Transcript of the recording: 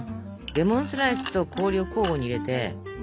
レモンスライスと氷を交互に入れて。